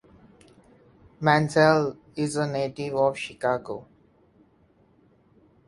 Mandel is a native of Chicago.